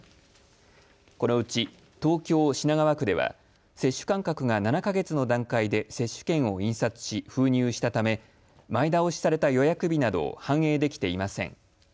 このうち東京、品川区では接種間隔が７か月の段階で接種券を印刷し、封入したため前倒しされた予約日などを反映できていません。